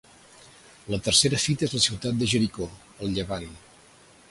La tercera fita és la ciutat de Jericó, al Llevant.